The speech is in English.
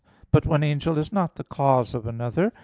But one angel is not the cause of another.